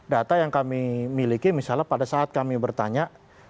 data yang kami miliki misalnya pada saat kami bertanya